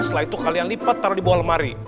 setelah itu kalian lipat taro dibawah lemari